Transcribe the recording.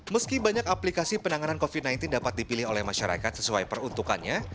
meski banyak aplikasi penanganan covid sembilan belas dapat dipilih oleh masyarakat sesuai peruntukannya